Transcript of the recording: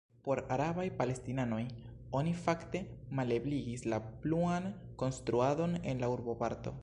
Por arabaj palestinanoj oni fakte malebligis la pluan konstruadon en la urboparto.